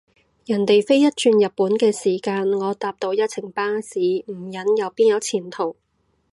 人哋飛一轉日本嘅時間，我搭到一程巴士，唔忍又邊有前途？